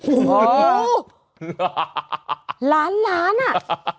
โอ้โหล้านล้านอ่ะ